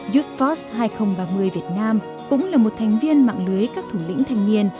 youthforce hai nghìn ba mươi việt nam cũng là một thành viên mạng lưới các thủ lĩnh thanh niên